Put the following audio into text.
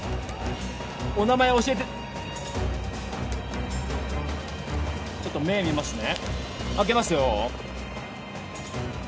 お名前教えてちょっと目診ますね開けますよ